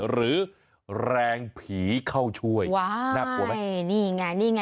หรือแรงผีเข้าช่วยน่ากลัวไหมนี่ไงนี่ไง